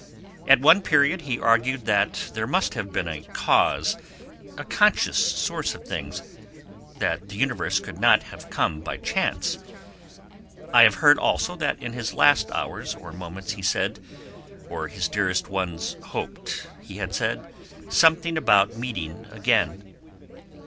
At one period he argued that there must have been a cause, a conscious source of things; that the universe could not have come by chance. I have heard also that in his last hours or moments he said, or his dearest ones hoped he had said, something about meeting again.